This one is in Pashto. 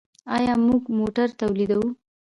آیا موږ موټر تولیدوو؟